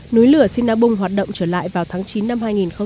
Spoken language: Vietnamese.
núi lửa singapore hoạt động trở lại vào tháng chín năm hai nghìn một mươi ba